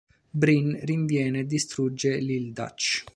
Brin rinviene e distrugge l'Ildatch.